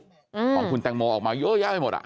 ของคุณแตงโมออกมาเยอะแยะไปหมดอ่ะ